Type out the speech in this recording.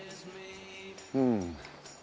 うん。